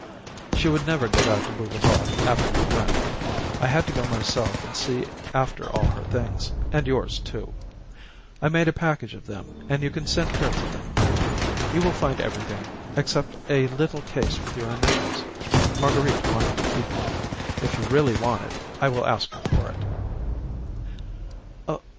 "She would never go back to Bougival after you went. I had to go myself and see after all her things, and yours, too. I made a package of them and you can send here for them. You will find everything, except a little case with your initials. Marguerite wanted to keep it. If you really want it, I will ask her for it."